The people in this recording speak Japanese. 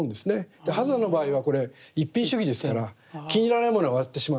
波山の場合はこれ一品主義ですから気に入らないものは割ってしまうんです。